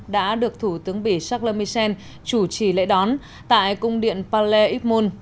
đã được thủ tướng bỉ charles michel chủ trì lễ đón tại cung điện palais ip môn